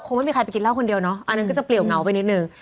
ไม่มีใครไปกินเหล้าคนเดียวเนอะอันนั้นก็จะเปลี่ยวเหงาไปนิดนึง